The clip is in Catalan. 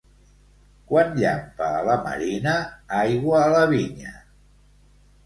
Quan llampa a la marina, aigua a la vinya.